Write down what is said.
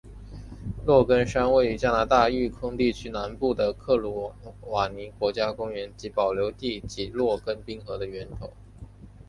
洛根山位于加拿大育空地区南部的克鲁瓦尼国家公园及保留地及洛根冰河的源头。